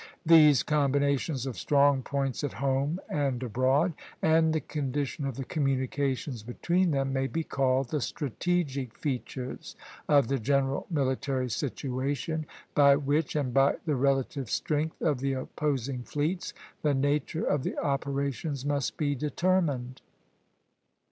These combinations of strong points at home and abroad, and the condition of the communications between them, may be called the strategic features of the general military situation, by which, and by the relative strength of the opposing fleets, the nature of the operations must be determined.